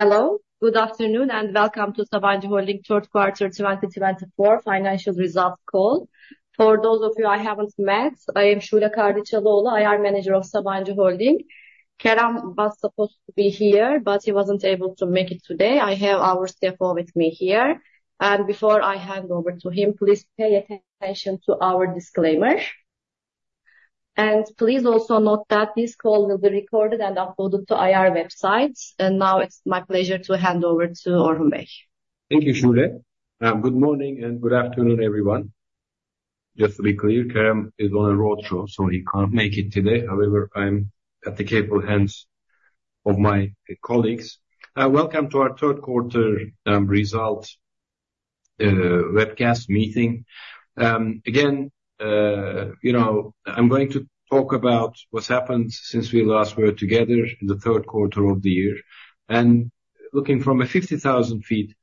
Hello, good afternoon, and welcome to Sabancı Holding Third Quarter 2024 Financial Results Call. For those of you I haven't met, I am Şule Kardeşoğlu, IR Manager of Sabancı Holding. Kerem was supposed to be here, but he wasn't able to make it today. I have our CFO with me here, and before I hand over to him, please pay attention to our disclaimer. And please also note that this call will be recorded and uploaded to the IR website. And now it's my pleasure to hand over to Orhun Bey. Thank you, Şule. Good morning and good afternoon, everyone. Just to be clear, Kerem is on a roadshow, so he can't make it today. However, I'm at the capable hands of my colleagues. Welcome to our third quarter Results webcast meeting. Again, you know I'm going to talk about what's happened since we last were together in the third quarter of the year, and looking from a 50,000 feet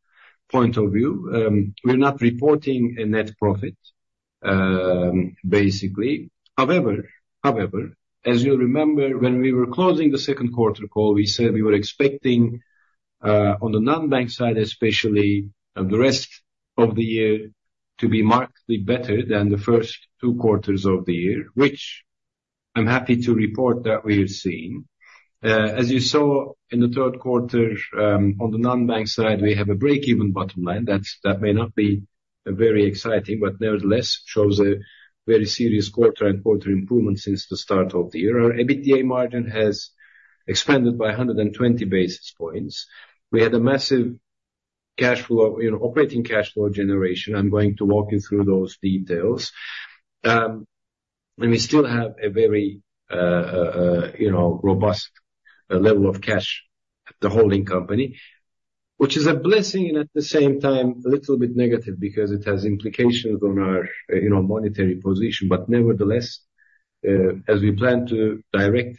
point of view, we're not reporting a net profit, basically. However, as you'll remember, when we were closing the second quarter call, we said we were expecting, on the non-bank side especially, the rest of the year to be markedly better than the first two quarters of the year, which I'm happy to report that we've seen. As you saw in the third quarter, on the non-bank side, we have a break-even bottom line. That may not be very exciting, but nevertheless shows a very serious quarter-on-quarter improvement since the start of the year. Our EBITDA margin has expanded by 120 basis points. We had a massive cash flow, operating cash flow generation. I'm going to walk you through those details, and we still have a very robust level of cash at the holding company, which is a blessing and at the same time a little bit negative because it has implications on our monetary position, but nevertheless, as we plan to direct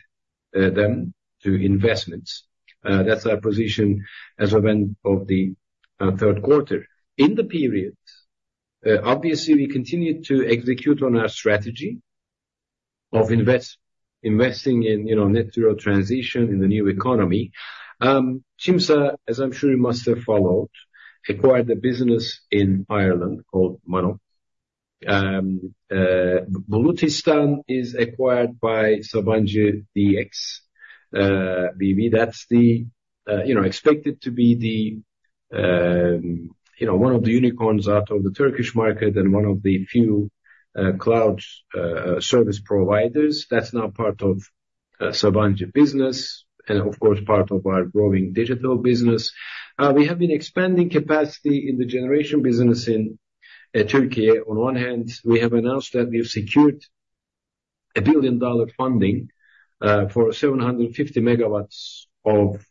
them to investments, that's our position as of the end of the third quarter. In the period, obviously, we continue to execute on our strategy of investing in net zero transition in the new economy. Çimsa, as I'm sure you must have followed, acquired a business in Ireland called Mannok. Bulutistan is acquired by SabancıDx. That's expected to be one of the unicorns out of the Turkish market and one of the few cloud service providers. That's now part of Sabancı business and, of course, part of our growing digital business. We have been expanding capacity in the generation business in Turkey. On one hand, we have announced that we've secured a $1 billion funding for 750 megawatts of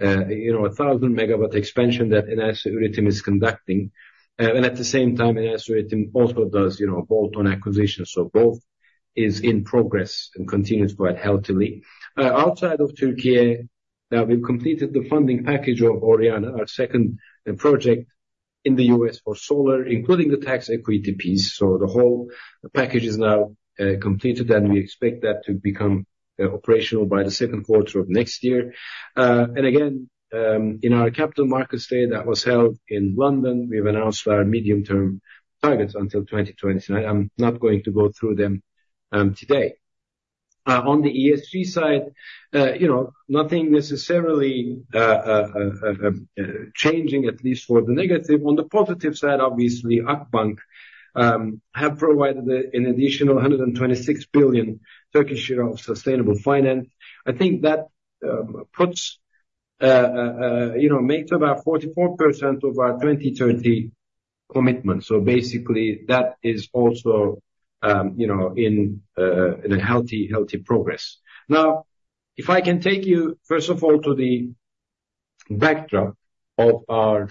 1,000-megawatt expansion that Enerjisa Üretim is conducting. And at the same time, Enerjisa Üretim also does bolt-on acquisitions. So both are in progress and continue quite healthily. Outside of Turkey, we've completed the funding package of Oriana, our second project in the U.S. for solar, including the tax equity piece. So the whole package is now completed, and we expect that to become operational by the second quarter of next year. And again, in our capital markets day, that was held in London, we've announced our medium-term targets until 2029. I'm not going to go through them today. On the ESG side, nothing necessarily changing, at least for the negative. On the positive side, obviously, Akbank has provided an additional 126 billion of sustainable finance. I think that puts make up about 44% of our 2030 commitment. So basically, that is also in a healthy progress. Now, if I can take you, first of all, to the backdrop of our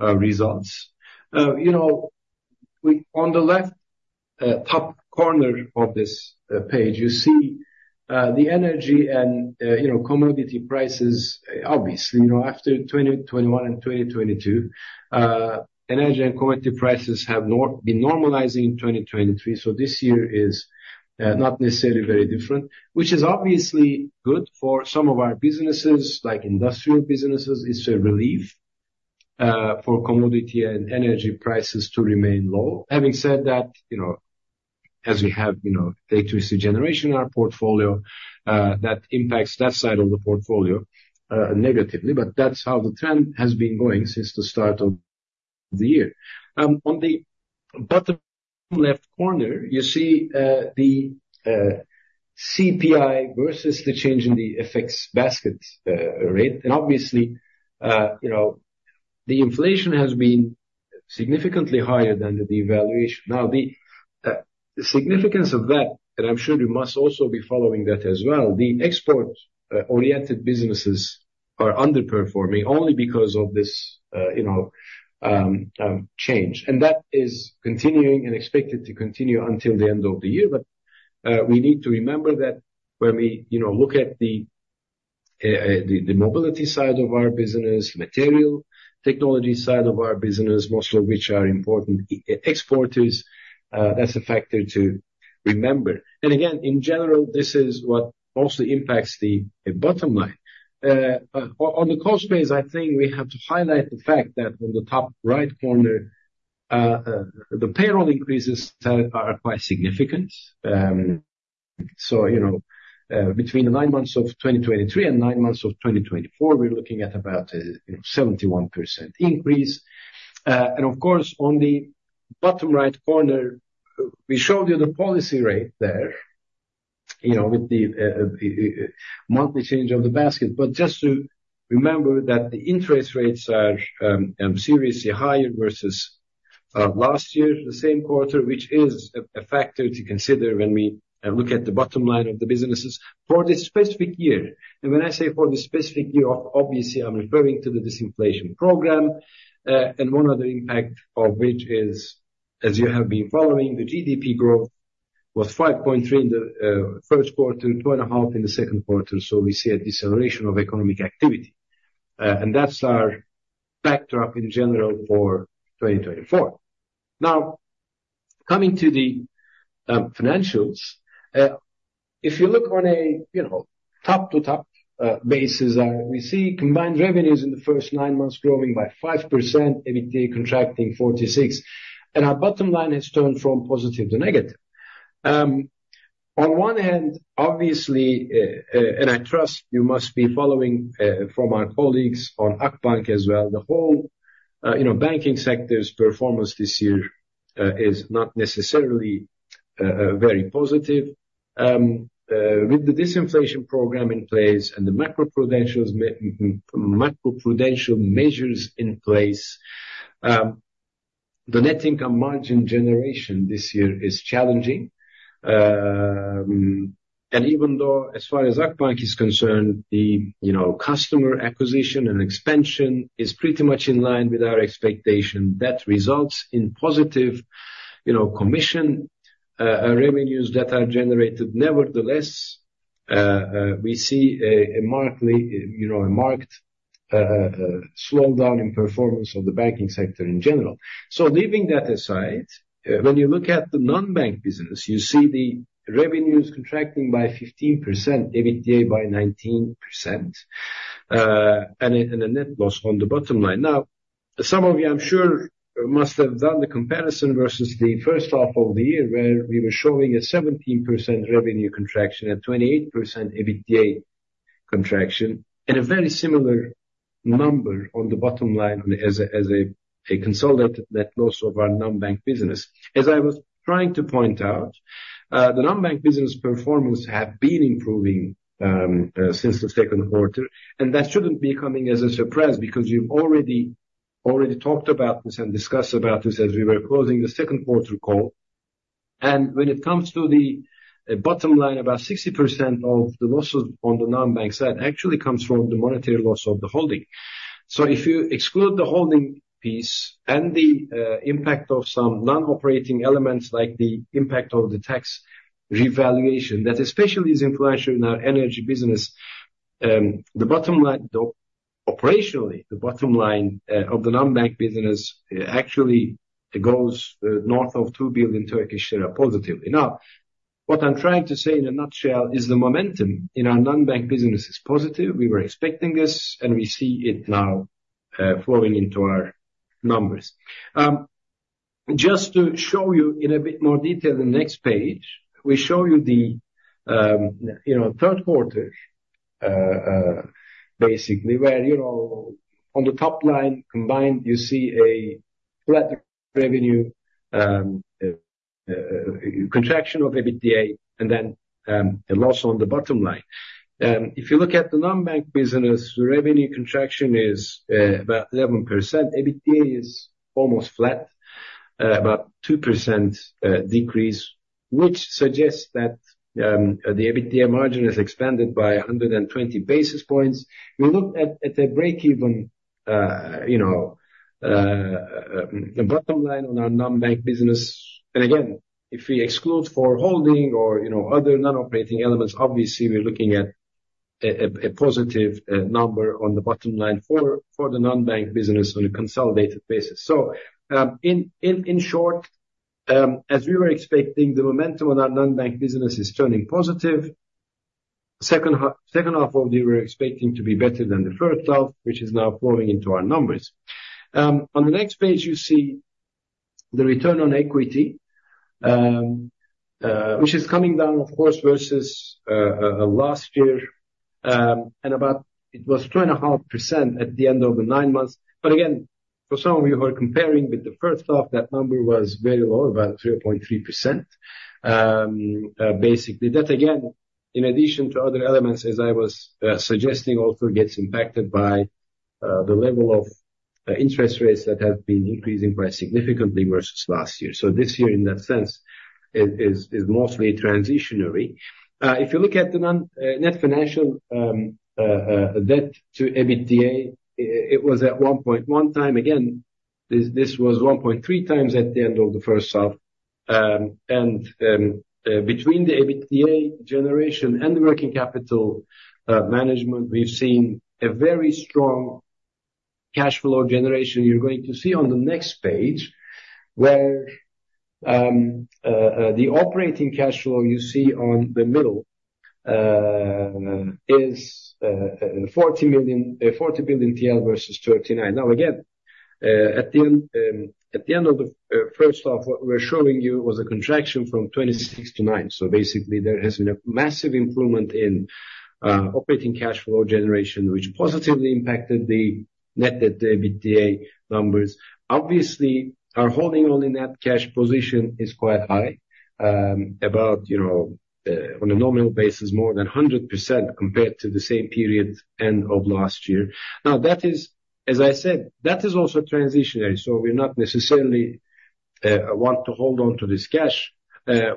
results. On the left top corner of this page, you see the energy and commodity prices, obviously. After 2021 and 2022, energy and commodity prices have been normalizing in 2023. So this year is not necessarily very different, which is obviously good for some of our businesses, like industrial businesses. It's a relief for commodity and energy prices to remain low. Having said that, as we have electricity generation in our portfolio, that impacts that side of the portfolio negatively. But that's how the trend has been going since the start of the year. On the bottom left corner, you see the CPI versus the change in the FX basket rate. And obviously, the inflation has been significantly higher than the devaluation. Now, the significance of that, and I'm sure you must also be following that as well, the export-oriented businesses are underperforming only because of this change. And that is continuing and expected to continue until the end of the year. But we need to remember that when we look at the mobility side of our business, material technology side of our business, most of which are important exporters, that's a factor to remember. And again, in general, this is what mostly impacts the bottom line. On the cost base, I think we have to highlight the fact that on the top right corner, the payroll increases are quite significant. So between the nine months of 2023 and nine months of 2024, we're looking at about a 71% increase. And of course, on the bottom right corner, we showed you the policy rate there with the monthly change of the basket. But just to remember that the interest rates are seriously higher versus last year, the same quarter, which is a factor to consider when we look at the bottom line of the businesses for this specific year. And when I say for this specific year, obviously, I'm referring to the disinflation program. One other impact of which is, as you have been following, the GDP growth was 5.3% in the first quarter, 2.5% in the second quarter. So we see a deceleration of economic activity. And that's our backdrop in general for 2024. Now, coming to the financials, if you look on a top-to-top basis, we see combined revenues in the first nine months growing by 5%, EBITDA contracting 46%. And our bottom line has turned from positive to negative. On one hand, obviously, and I trust you must be following from our colleagues on Akbank as well, the whole banking sector's performance this year is not necessarily very positive. With the disinflation program in place and the macroprudential measures in place, the net income margin generation this year is challenging. Even though, as far as Akbank is concerned, the customer acquisition and expansion is pretty much in line with our expectation, that results in positive commission revenues that are generated. Nevertheless, we see a marked slowdown in performance of the banking sector in general. Leaving that aside, when you look at the non-bank business, you see the revenues contracting by 15%, EBITDA by 19%, and a net loss on the bottom line. Now, some of you, I'm sure, must have done the comparison versus the first half of the year, where we were showing a 17% revenue contraction and 28% EBITDA contraction and a very similar number on the bottom line as a consolidated net loss of our non-bank business. As I was trying to point out, the non-bank business performance has been improving since the second quarter. That shouldn't be coming as a surprise because you've already talked about this and discussed about this as we were closing the second quarter call. When it comes to the bottom line, about 60% of the losses on the non-bank side actually comes from the monetary loss of the holding. If you exclude the holding piece and the impact of some non-operating elements, like the impact of the tax revaluation, that especially is influential in our energy business, operationally, the bottom line of the non-bank business actually goes north of TL 2 billion positively. Now, what I'm trying to say in a nutshell is the momentum in our non-bank business is positive. We were expecting this, and we see it now flowing into our numbers. Just to show you in a bit more detail, the next page, we show you the third quarter, basically, where on the top line combined, you see a flat revenue, contraction of EBITDA and then a loss on the bottom line. If you look at the non-bank business, the revenue contraction is about 11%. EBITDA is almost flat, about 2% decrease, which suggests that the EBITDA margin has expanded by 120 basis points. We looked at the break-even bottom line on our non-bank business, and again, if we exclude for holding or other non-operating elements, obviously, we're looking at a positive number on the bottom line for the non-bank business on a consolidated basis, so in short, as we were expecting, the momentum on our non-bank business is turning positive. The second half of the year we're expecting to be better than the first half, which is now flowing into our numbers. On the next page, you see the Return on Equity, which is coming down, of course, versus last year. And about it was 2.5% at the end of the nine months. But again, for some of you who are comparing with the first half, that number was very low, about 0.3%, basically. That, again, in addition to other elements, as I was suggesting, also gets impacted by the level of interest rates that have been increasing quite significantly versus last year. So this year, in that sense, is mostly transitionary. If you look at the net financial debt to EBITDA, it was at 1.1 time. Again, this was 1.3 times at the end of the first half. And between the EBITDA generation and the working capital management, we've seen a very strong cash flow generation. You're going to see on the next page, where the operating cash flow you see on the middle is TL 40 billion versus 39. Now, again, at the end of the first half, what we're showing you was a contraction from 26 to 9. So basically, there has been a massive improvement in operating cash flow generation, which positively impacted the net EBITDA numbers. Obviously, our holding-only net cash position is quite high, about on a nominal basis, more than 100% compared to the same period end of last year. Now, as I said, that is also transitory. So we're not necessarily want to hold on to this cash.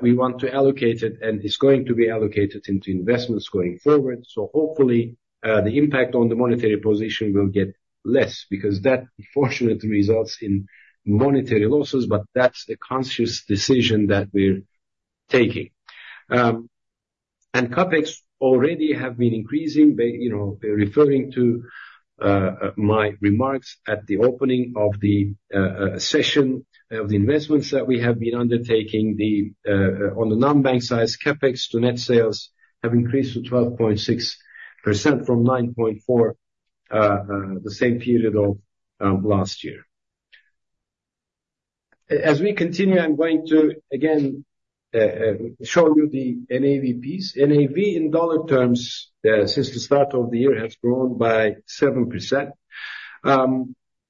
We want to allocate it, and it's going to be allocated into investments going forward. Hopefully, the impact on the monetary position will get less because that, unfortunately, results in monetary losses. But that's a conscious decision that we're taking. CapEx already have been increasing. Referring to my remarks at the opening of the session of the investments that we have been undertaking, on the non-bank side, CapEx to net sales have increased to 12.6% from 9.4% the same period of last year. As we continue, I'm going to, again, show you the NAV piece. NAV, in dollar terms, since the start of the year, has grown by 7%.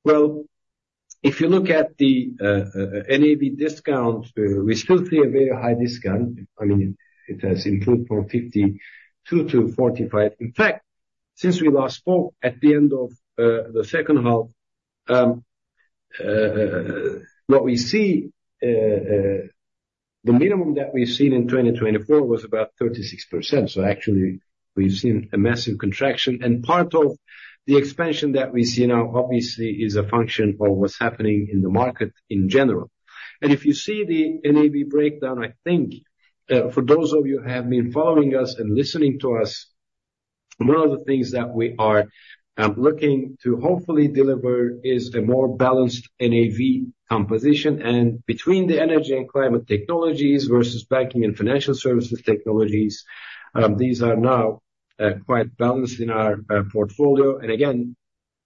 Well, if you look at the NAV discount, we still see a very high discount. I mean, it has improved from 52% to 45%. In fact, since we last spoke at the end of the second half, what we see, the minimum that we've seen in 2024 was about 36%. So actually, we've seen a massive contraction. And part of the expansion that we see now, obviously, is a function of what's happening in the market in general. And if you see the NAV breakdown, I think, for those of you who have been following us and listening to us, one of the things that we are looking to hopefully deliver is a more balanced NAV composition. And between the energy and climate technologies versus banking and financial services technologies, these are now quite balanced in our portfolio. And again,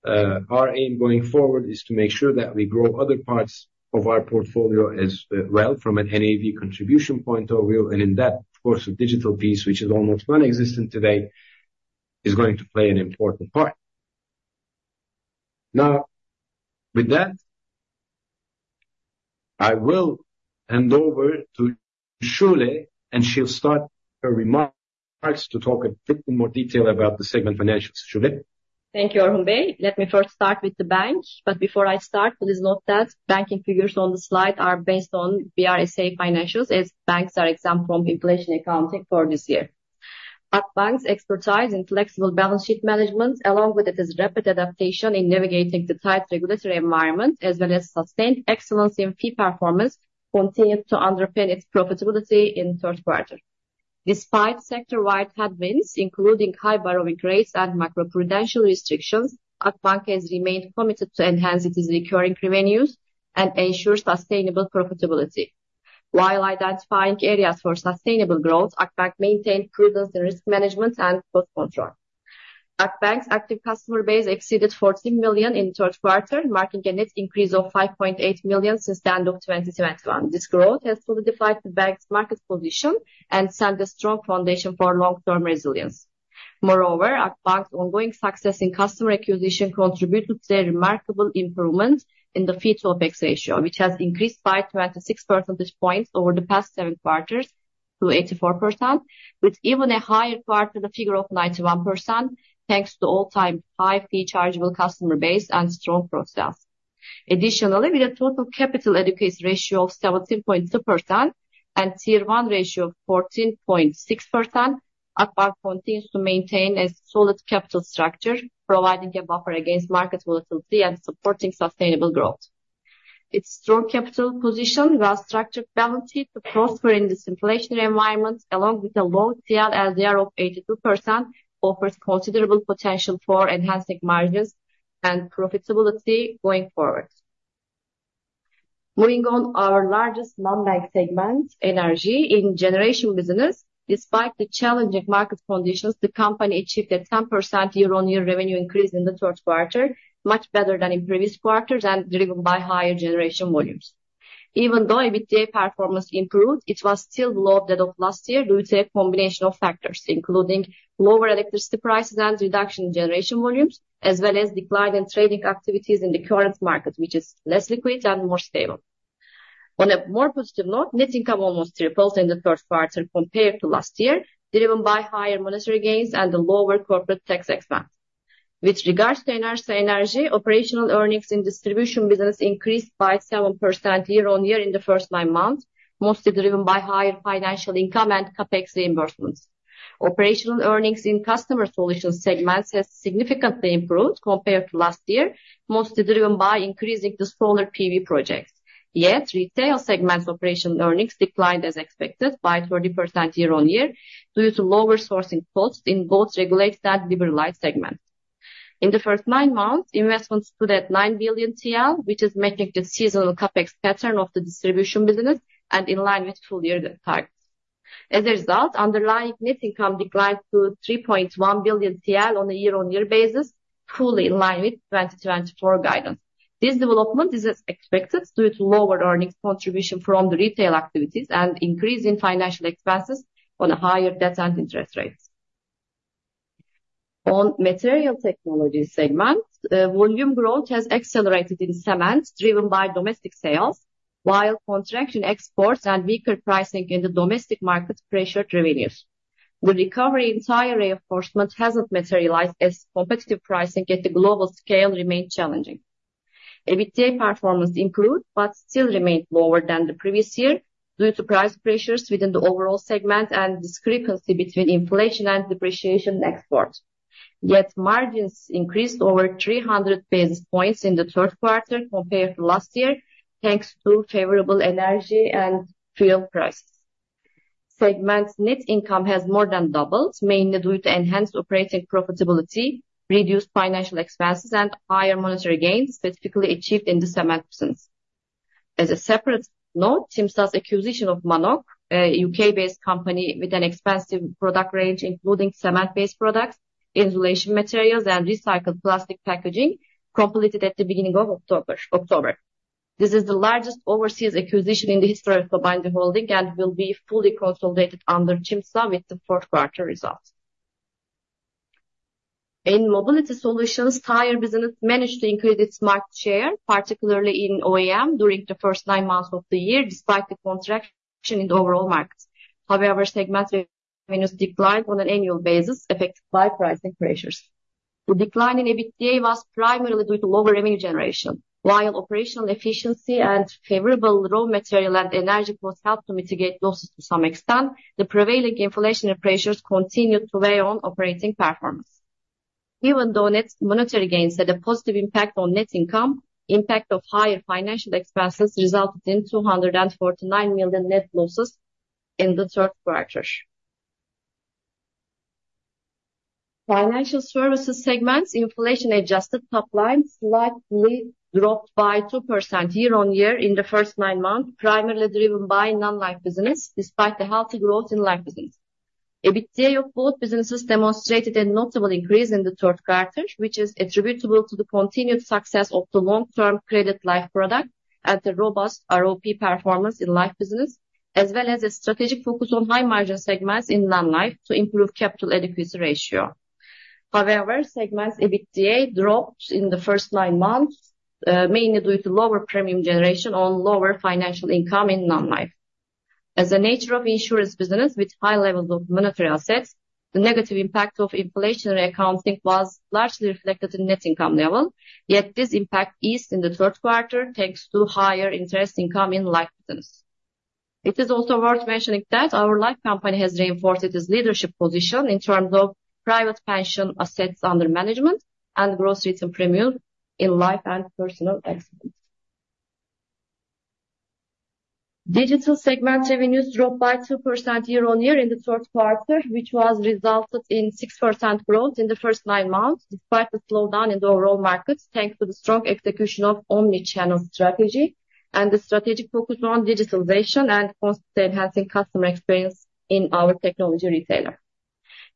our aim going forward is to make sure that we grow other parts of our portfolio as well from an NAV contribution point of view. And in that, of course, the digital piece, which is almost nonexistent today, is going to play an important part. Now, with that, I will hand over to Şule, and she'll start her remarks to talk a bit in more detail about the segment financials. Şule. Thank you, Orhun Bey. Let me first start with the bank. But before I start, please note that banking figures on the slide are based on BRSA financials as banks are exempt from inflation accounting for this year. Akbank's expertise in flexible balance sheet management, along with its rapid adaptation in navigating the tight regulatory environment, as well as sustained excellence in fee performance, continued to underpin its profitability in the third quarter. Despite sector-wide headwinds, including high borrowing rates and macroprudential restrictions, Akbank has remained committed to enhance its recurring revenues and ensure sustainable profitability. While identifying areas for sustainable growth, Akbank maintained prudence in risk management and cost control. Akbank's active customer base exceeded 14 million in the third quarter, marking a net increase of 5.8 million since the end of 2021. This growth has solidified the bank's market position and set a strong foundation for long-term resilience. Moreover, Akbank's ongoing success in customer acquisition contributed to a remarkable improvement in the fee-to-assets ratio, which has increased by 26 percentage points over the past seven quarters to 84%, with even a higher quarterly figure of 91%, thanks to all-time high fee-chargeable customer base and strong progress. Additionally, with a total Capital Adequacy Ratio of 17.2% and Tier 1 ratio of 14.6%, Akbank continues to maintain a solid capital structure, providing a buffer against market volatility and supporting sustainable growth. Its strong capital position, well-structured balance sheet to prosper in this inflationary environment, along with a low TL asset ratio of 82%, offers considerable potential for enhancing margins and profitability going forward. Moving on, our largest non-bank segment, energy generation business, despite the challenging market conditions, the company achieved a 10% year-on-year revenue increase in the third quarter, much better than in previous quarters and driven by higher generation volumes. Even though EBITDA performance improved, it was still below that of last year due to a combination of factors, including lower electricity prices and reduction in generation volumes, as well as declining trading activities in the current market, which is less liquid and more stable. On a more positive note, net income almost tripled in the third quarter compared to last year, driven by higher monetary gains and the lower corporate tax expense. With regards to Enerjisa Energy, operational earnings in distribution business increased by 7% year-on-year in the first nine months, mostly driven by higher financial income and CapEx reimbursements. Operational earnings in customer solutions segments have significantly improved compared to last year, mostly driven by increasing the smaller PV projects. Yet, retail segment operational earnings declined as expected by 30% year-on-year due to lower sourcing costs in both regulated and liberalized segments. In the first nine months, investments stood at 9 billion TL, which is matching the seasonal CapEx pattern of the distribution business and in line with full-year targets. As a result, underlying net income declined to 3.1 billion TL on a year-on-year basis, fully in line with 2024 guidance. This development is expected due to lower earnings contribution from the retail activities and increase in financial expenses on a higher debt and interest rates. In materials technology segment, volume growth has accelerated in cement, driven by domestic sales, while contraction in exports and weaker pricing in the domestic market pressured revenues. The recovery in tire reinforcement hasn't materialized as competitive pricing at the global scale remained challenging. EBITDA performance improved, but still remained lower than the previous year due to price pressures within the overall segment and discrepancy between inflation and depreciation in exports. Yet, margins increased over 300 basis points in the third quarter compared to last year, thanks to favorable energy and fuel prices. Segment net income has more than doubled, mainly due to enhanced operating profitability, reduced financial expenses, and higher monetary gains, specifically achieved in the cement business. As a separate note, Çimsa's acquisition of Mannok, a UK-based company with an expansive product range, including cement-based products, insulation materials, and recycled plastic packaging, completed at the beginning of October. This is the largest overseas acquisition in the history of the Sabancı Holding and will be fully consolidated under Çimsa with the fourth quarter results. In mobility solutions, tire business managed to increase its market share, particularly in OEM, during the first nine months of the year, despite the contraction in the overall market. However, segment revenues declined on an annual basis, affected by pricing pressures. The decline in EBITDA was primarily due to lower revenue generation. While operational efficiency and favorable raw material and energy costs helped to mitigate losses to some extent, the prevailing inflationary pressures continued to weigh on operating performance. Even though net monetary gains had a positive impact on net income, the impact of higher financial expenses resulted in 249 million net losses in the third quarter. Financial services segment's inflation-adjusted top lines slightly dropped by 2% year-on-year in the first nine months, primarily driven by non-life business, despite the healthy growth in life business. EBITDA of both businesses demonstrated a notable increase in the third quarter, which is attributable to the continued success of the long-term Credit-Life Product and the robust ROP performance in life business, as well as a strategic focus on high-margin segments in non-life to improve Capital Adequacy Ratio. However, segment EBITDA dropped in the first nine months, mainly due to lower premium generation on lower financial income in non-life. As a nature of insurance business with high levels of monetary assets, the negative impact of inflationary accounting was largely reflected in net income level. Yet, this impact eased in the third quarter thanks to higher interest income in life business. It is also worth mentioning that our life company has reinforced its leadership position in terms of private pension assets under management and Gross Written Premium in life and Personal Accident. Digital segment revenues dropped by 2% year-on-year in the third quarter, which resulted in 6% growth in the first nine months, despite the slowdown in the overall markets, thanks to the strong execution of omnichannel strategy and the strategic focus on digitalization and constantly enhancing customer experience in our technology retailer.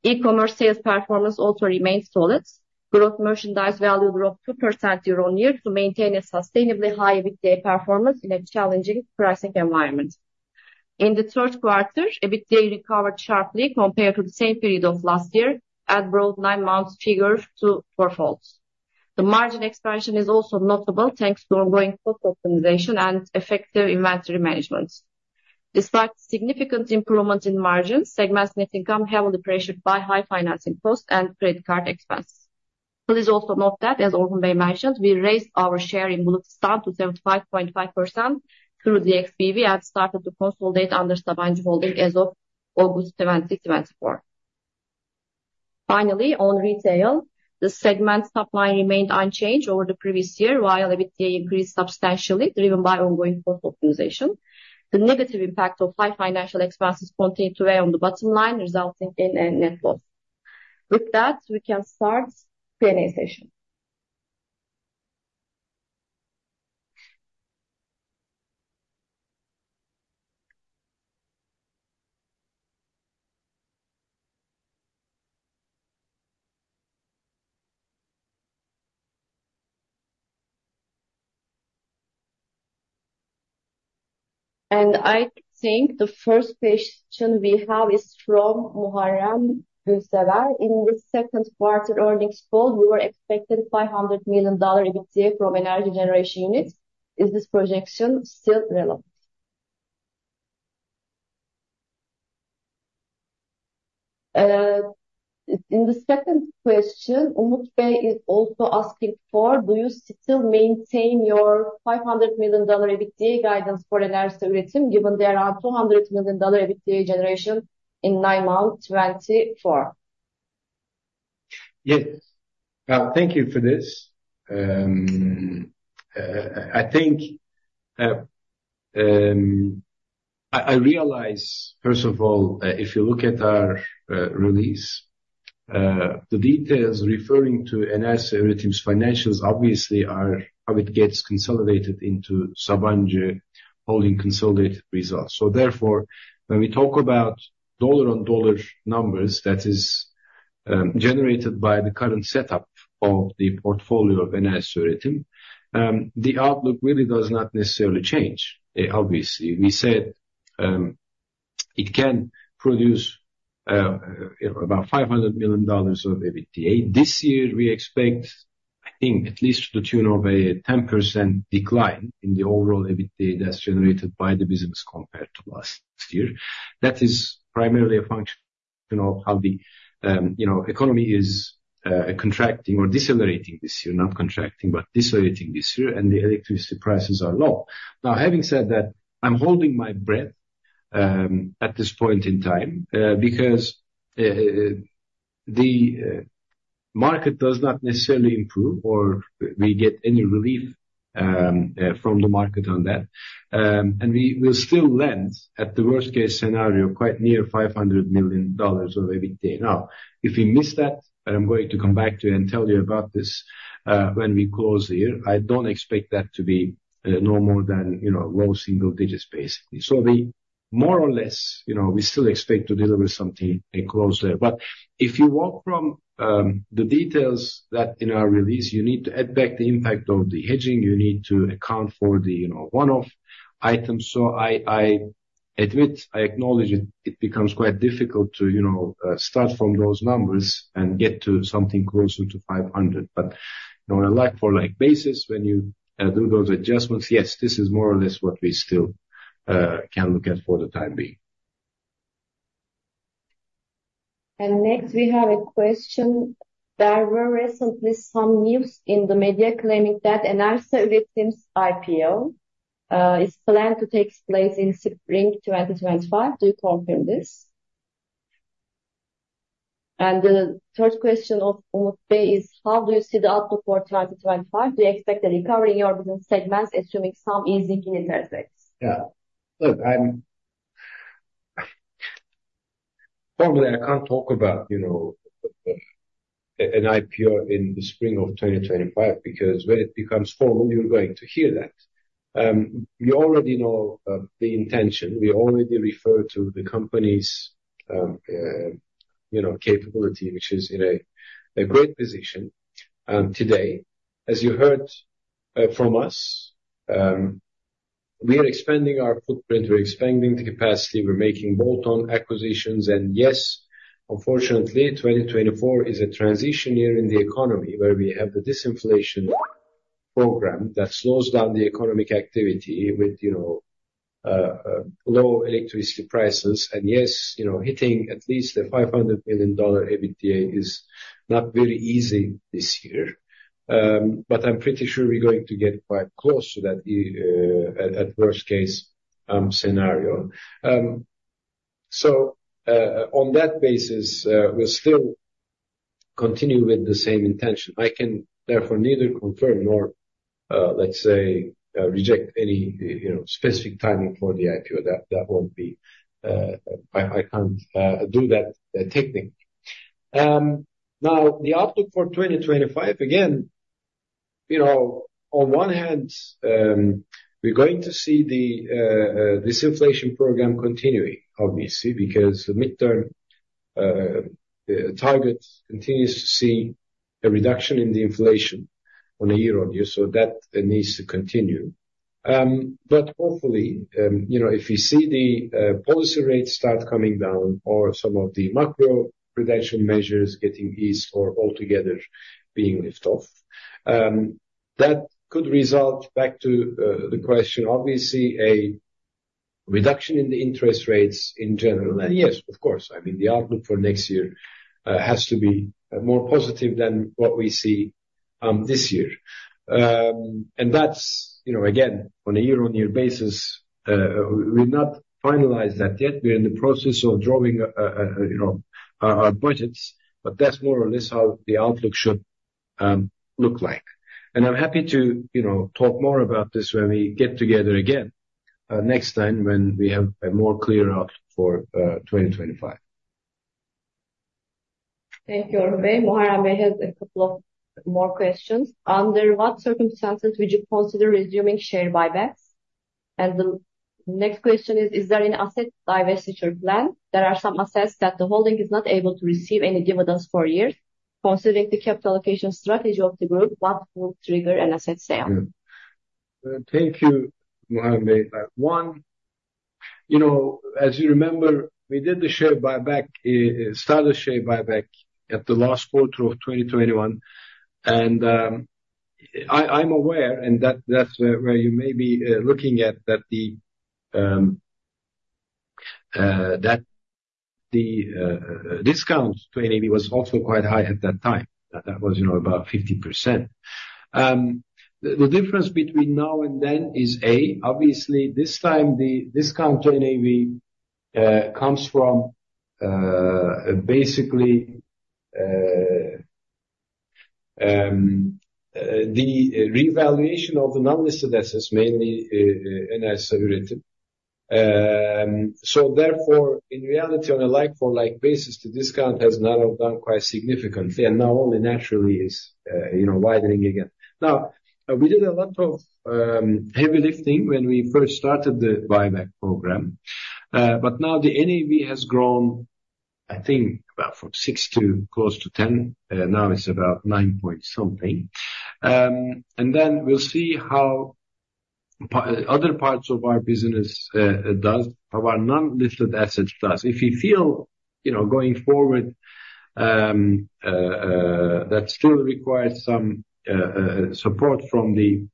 E-commerce sales performance also remained solid. Gross merchandise value dropped 2% year-on-year to maintain a sustainably high EBITDA performance in a challenging pricing environment. In the third quarter, EBITDA recovered sharply compared to the same period of last year and brought nine-month figures to fourfold. The margin expansion is also notable thanks to ongoing cost optimization and effective inventory management. Despite significant improvements in margins, segment net income heavily pressured by high financing costs and credit card expenses. Please also note that, as Orhun Bey mentioned, we raised our share in Bulutistan to 75.5% through the DxBV and started to consolidate under Sabancı Holding as of August 2024. Finally, on retail, the segment top line remained unchanged over the previous year, while EBITDA increased substantially, driven by ongoing cost optimization. The negative impact of high financial expenses continued to weigh on the bottom line, resulting in a net loss. With that, we can start Q&A session. And I think the first question we have is from Muharrem Gürsever. In the second quarter earnings call, we were expecting $500 million EBITDA from energy generation units. Is this projection still relevant? In the second question, Umut Bey is also asking for, do you still maintain your $500 million EBITDA guidance for Enerjisa Üretim, given the around $200 million EBITDA generation in nine months 2024? Yes. Thank you for this. I think I realize, first of all, if you look at our release, the details referring to Enerjisa Üretim's financials obviously are how it gets consolidated into Sabancı Holding consolidated results. So therefore, when we talk about dollar-for-dollar numbers that is generated by the current setup of the portfolio of Enerjisa Üretim, the outlook really does not necessarily change, obviously. We said it can produce about $500 million of EBITDA. This year, we expect, I think, at least to the tune of a 10% decline in the overall EBITDA that's generated by the business compared to last year. That is primarily a function of how the economy is contracting or decelerating this year, not contracting, but decelerating this year, and the electricity prices are low. Now, having said that, I'm holding my breath at this point in time because the market does not necessarily improve or we get any relief from the market on that, and we will still lend, at the worst-case scenario, quite near $500 million of EBITDA. Now, if we miss that, and I'm going to come back to you and tell you about this when we close the year, I don't expect that to be no more than low single digits, basically, so more or less, we still expect to deliver something close there, but if you walk from the details that in our release, you need to add back the impact of the hedging, you need to account for the one-off items. I admit, I acknowledge it becomes quite difficult to start from those numbers and get to something closer to 500. But on a like-for-like basis, when you do those adjustments, yes, this is more or less what we still can look at for the time being. And next, we have a question. There were recently some news in the media claiming that Enerjisa Üretim's IPO is planned to take place in spring 2025. Do you confirm this? And the third question of Umut Bey is, how do you see the outlook for 2025? Do you expect a recovery in your business segments, assuming some easing in interest rates? Yeah. Look, I'm formally, I can't talk about an IPO in the spring of 2025 because when it becomes formal, you're going to hear that. You already know the intention. We already referred to the company's capability, which is in a great position today. As you heard from us, we are expanding our footprint, we're expanding the capacity, we're making bolt-on acquisitions, and yes, unfortunately, 2024 is a transition year in the economy where we have the disinflation program that slows down the economic activity with low electricity prices, and yes, hitting at least a $500 million EBITDA is not very easy this year, but I'm pretty sure we're going to get quite close to that at worst-case scenario, so on that basis, we'll still continue with the same intention. I can therefore neither confirm nor let's say reject any specific timing for the IPO. That won't be. I can't do that technically. Now, the outlook for 2025, again, on one hand, we're going to see the disinflation program continuing, obviously, because the medium-term target continues to see a reduction in the inflation on a year-on-year, so that needs to continue. But hopefully, if we see the policy rates start coming down or some of the macroprudential measures getting eased or altogether being lifted off, that could result, back to the question, obviously, a reduction in the interest rates in general. And yes, of course, I mean, the outlook for next year has to be more positive than what we see this year. And that's, again, on a year-on-year basis. We've not finalized that yet. We're in the process of drawing our budgets, but that's more or less how the outlook should look like. I'm happy to talk more about this when we get together again next time when we have a more clear outlook for 2025. Thank you, Orhun Bey. Muharrem Bey has a couple of more questions. Under what circumstances would you consider resuming share buybacks? And the next question is, is there an asset diversification plan? There are some assets that the holding is not able to receive any dividends for years. Considering the capital allocation strategy of the group, what will trigger an asset sale? Thank you, Muharrem Bey. One, as you remember, we did the share buyback, started share buyback at the last quarter of 2021. And I'm aware, and that's where you may be looking at, that the discount to NAV was also quite high at that time. That was about 50%. The difference between now and then is, A, obviously, this time, the discount to NAV comes from basically the revaluation of the non-listed assets, mainly Enerjisa Üretim. So therefore, in reality, on a like-for-like basis, the discount has narrowed down quite significantly, and now only naturally is widening again. Now, we did a lot of heavy lifting when we first started the buyback program. But now the NAV has grown, I think, about from six to close to 10. Now it's about nine point something. And then we'll see how other parts of our business does, how our non-listed assets does. If we feel going forward that still requires some support from the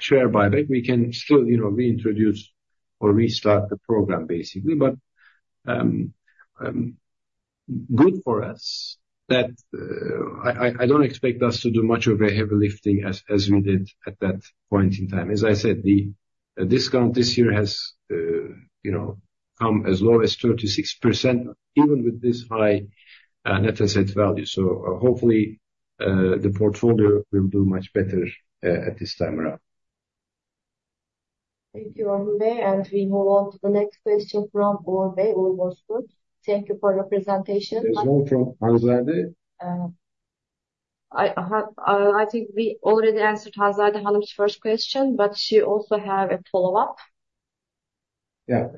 share buyback, we can still reintroduce or restart the program, basically. But good for us that I don't expect us to do much of a heavy lifting as we did at that point in time. As I said, the discount this year has come as low as 36%, even with this high net asset value, so hopefully, the portfolio will do much better at this time around. Thank you, Orhun Bey, and we move on to the next question from Orhun Bey, Ulvoşkunt. Thank you for your presentation. There's more from Hanzade. I think we already answered Hanzade Hanım's first question, but she also has a follow-up. Yeah.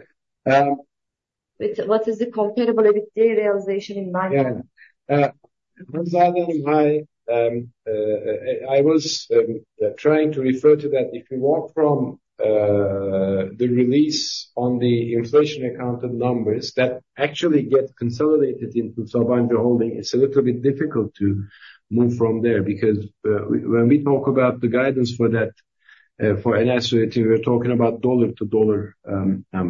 What is the comparable EBITDA realization in nine months? Yeah. Hanzade Hanım, hi. I was trying to refer to that. If you walk from the release on the inflation-accounted numbers that actually get consolidated into Sabancı Holding, it's a little bit difficult to move from there because when we talk about the guidance for that for Enerjisa Üretim, we're talking about dollar-to-dollar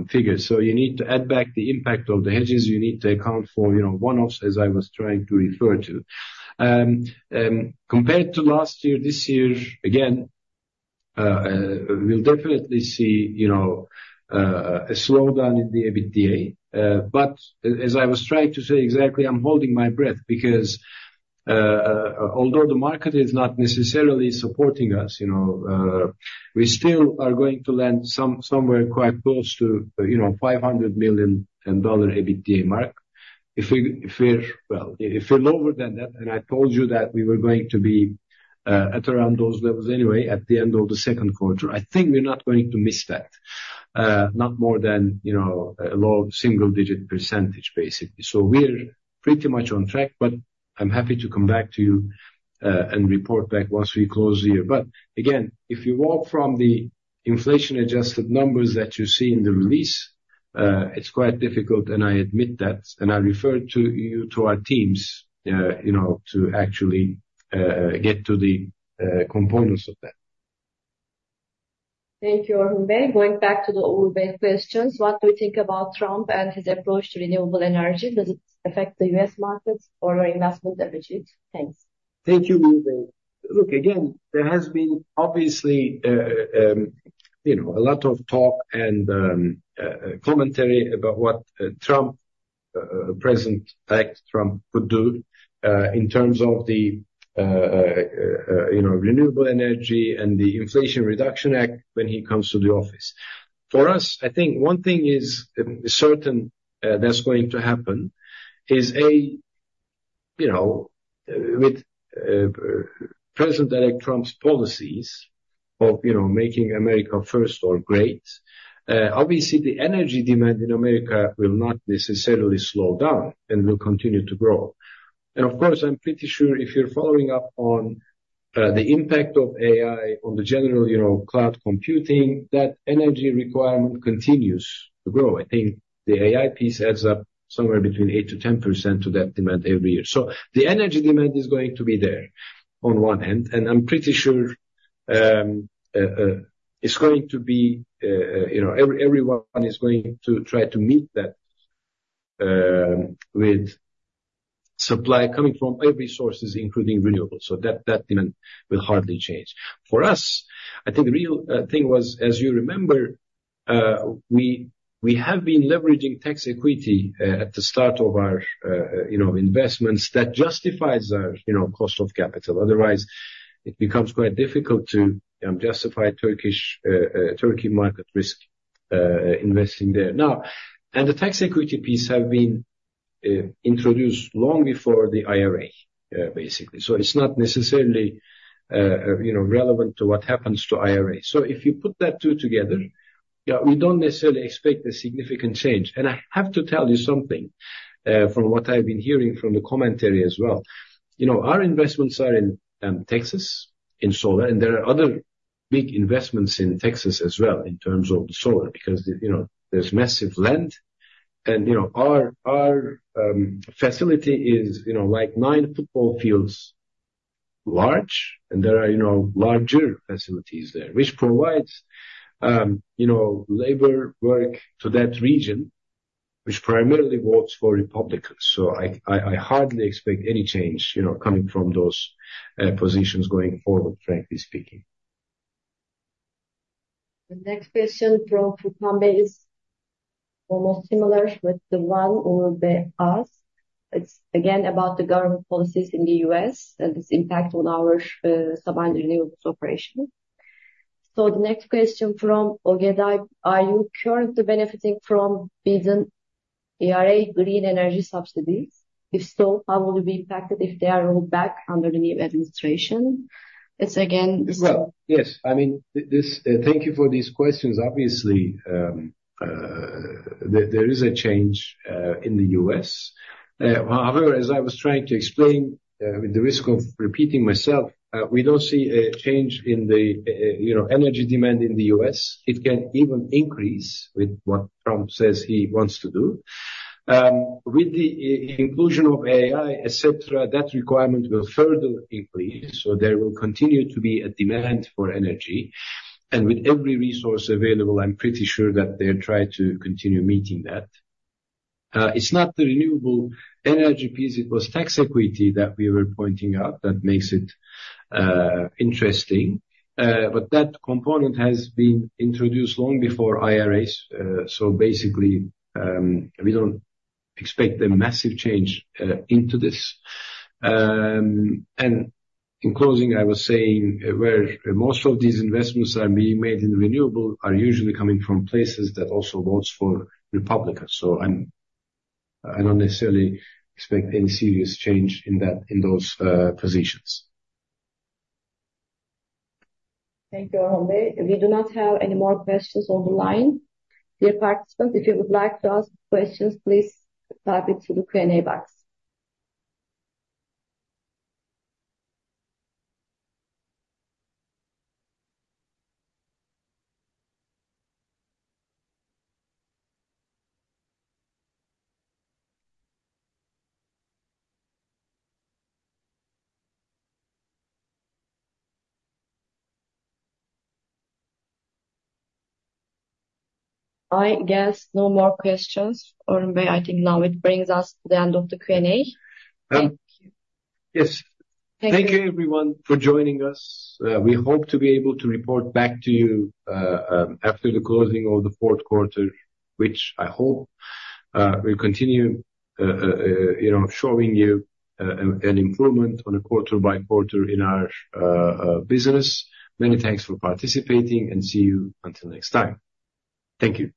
figures, so you need to add back the impact of the hedges. You need to account for one-offs, as I was trying to refer to. Compared to last year, this year, again, we'll definitely see a slowdown in the EBITDA. But as I was trying to say exactly, I'm holding my breath because although the market is not necessarily supporting us, we still are going to lend somewhere quite close to $500 million EBITDA mark. If we're lower than that, and I told you that we were going to be at around those levels anyway at the end of the second quarter, I think we're not going to miss that, not more than a low single-digit %. So we're pretty much on track, but I'm happy to come back to you and report back once we close the year. But again, if you walk from the inflation-adjusted numbers that you see in the release, it's quite difficult, and I admit that. I referred to you to our teams to actually get to the components of that. Thank you, Orhun Bey. Going back to the Umut Bey questions, what do you think about Trump and his approach to renewable energy? Does it affect the U.S. markets or your investment efficiency? Thanks. Thank you, Umut Bey. Look, again, there has been obviously a lot of talk and commentary about what Trump, President-elect Trump, could do in terms of the renewable energy and the Inflation Reduction Act when he comes to the office. For us, I think one thing is certain that's going to happen is with President-elect Trump's policies of making America first or great, obviously, the energy demand in America will not necessarily slow down and will continue to grow. Of course, I'm pretty sure if you're following up on the impact of AI on the general cloud computing, that energy requirement continues to grow. I think the AI piece adds up somewhere between 8%-10% to that demand every year. So the energy demand is going to be there on one end. I'm pretty sure it's going to be everyone is going to try to meet that with supply coming from every source, including renewables. So that demand will hardly change. For us, I think the real thing was, as you remember, we have been leveraging tax equity at the start of our investments that justifies our cost of capital. Otherwise, it becomes quite difficult to justify Turkey market risk investing there. Now, the tax equity piece has been introduced long before the IRA, basically. It's not necessarily relevant to what happens to IRA. So if you put those two together, we don't necessarily expect a significant change. And I have to tell you something from what I've been hearing from the commentary as well. Our investments are in Texas, in solar, and there are other big investments in Texas as well in terms of the solar because there's massive land. And our facility is like nine football fields large, and there are larger facilities there, which provides labor work to that region, which primarily votes for Republicans. So I hardly expect any change coming from those positions going forward, frankly speaking. The next question from Sultan Bey is almost similar with the one Umut Bey asked. It's again about the government policies in the U.S. and its impact on our Sabancı Renewables operation. The next question from Ögeday: Are you currently benefiting from Biden-era green energy subsidies? If so, how will you be impacted if they are rolled back under the new administration? It's again. Well, yes. I mean, thank you for these questions. Obviously, there is a change in the U.S. However, as I was trying to explain, at the risk of repeating myself, we don't see a change in the energy demand in the U.S. It can even increase with what Trump says he wants to do. With the inclusion of AI, etc., that requirement will further increase. There will continue to be a demand for energy. And with every resource available, I'm pretty sure that they'll try to continue meeting that. It's not the renewable energy piece. It was tax equity that we were pointing out that makes it interesting. But that component has been introduced long before IRAs. So basically, we don't expect a massive change into this. And in closing, I was saying where most of these investments are being made in renewable are usually coming from places that also votes for Republicans. So I don't necessarily expect any serious change in those positions. Thank you, Orhun Bey. We do not have any more questions on the line. Dear participants, if you would like to ask questions, please type it to the Q&A box. I guess no more questions. Orhun Bey, I think now it brings us to the end of the Q&A. Thank you. Yes. Thank you, everyone, for joining us. We hope to be able to report back to you after the closing of the fourth quarter, which I hope will continue showing you an improvement on a quarter-by-quarter in our business. Many thanks for participating, and see you until next time. Thank you.